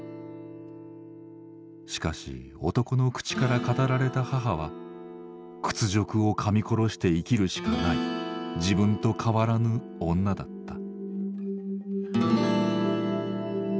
しかし男の口から語られた母は屈辱をかみ殺して生きるしかない自分と変わらぬ女だった。